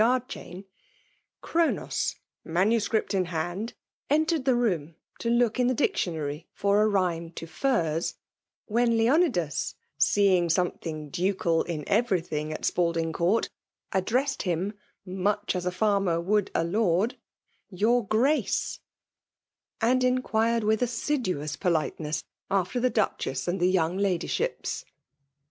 gnard«*chan, CSno atos, MS. in band, entered 'the room, to look in the dactionory for a rhyme to fi]xse;" *^6n Jjeomdas, seeing something ducal in evsrydnng Sit Spalding Coust, addroBsed him '^moneh as a finrmar would a lord/' —'* your Grace ;*" and in quired with assiduous politeness after tiie Duchess and their young ladyships.